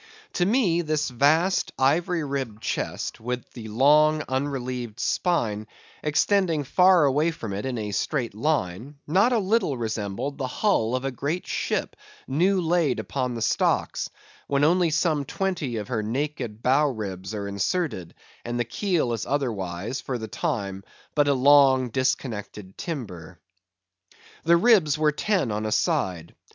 To me this vast ivory ribbed chest, with the long, unrelieved spine, extending far away from it in a straight line, not a little resembled the hull of a great ship new laid upon the stocks, when only some twenty of her naked bow ribs are inserted, and the keel is otherwise, for the time, but a long, disconnected timber. The ribs were ten on a side.